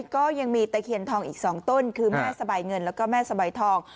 ก็ยังมีตะเคียนทองอีก๒ต้นคือแม่สบายเงินแล้วก็แม่สบายทอง